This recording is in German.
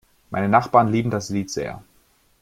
Meine Nachbarn lieben das Lied sehr.